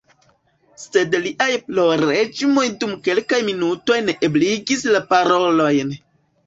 Sed liaj plorĝemoj dum kelkaj minutoj neebligis la parolojn.